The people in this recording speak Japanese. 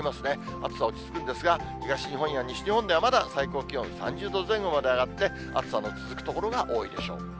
暑さ落ち着くんですが、東日本や西日本ではまだ最高気温３０度前後まで上がって、暑さの続く所が多いでしょう。